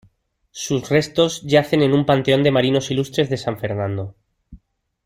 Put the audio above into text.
Sus restos yacen en en Panteón de Marinos Ilustres de San Fernando.